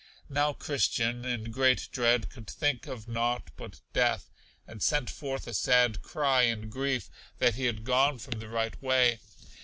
Now Christian, in great dread, could think of nought but death, and sent forth a sad cry in grief that he had gone from the right way.